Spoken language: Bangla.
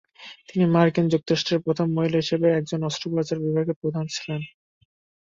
তিনি মার্কিন যুক্তরাষ্ট্রের প্রথম মহিলা হিসাবে একজন অস্ত্রোপচার বিভাগের প্রধান ছিলেন।